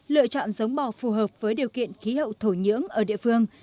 lựa chọn giống bò phù hợp với điều kiện khí hậu thổ nhưỡng ở địa phương